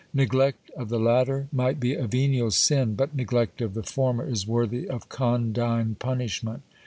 Neglect of the latter might be a venial sin, but neglect of the former is worthy of condign punishment.